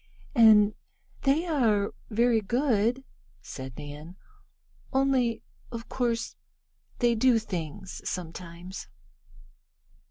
"And they are very good," said Nan, "only of course they do things sometimes."